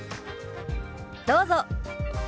どうぞ。